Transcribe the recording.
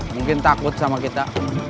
mungkin takut sama kita